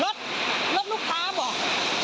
รถรถลูกค้าบอก